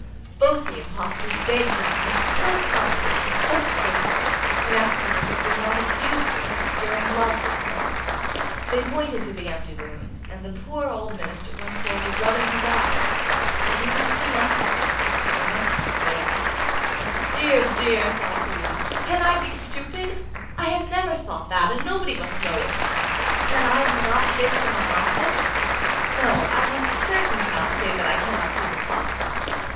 Both the impostors begged him to be so kind as to step closer, and asked him if it were not a beautiful texture and lovely colours. They pointed to the empty loom, and the poor old minister went forward rubbing his eyes; but he could see nothing, for there was nothing there. 'Dear, dear!' thought he, 'can I be stupid? I have never thought that, and nobody must know it! Can I be not fit for my office? No, I must certainly not say that I cannot see the cloth!